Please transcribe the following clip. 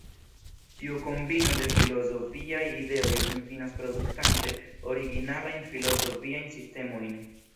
Tiu kombino de filozofiaj ideoj finfinas produktante originalajn filozofiajn sistemojn.